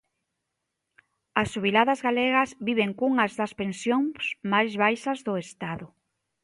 As xubiladas galegas viven cunhas das pensións máis baixas do Estado.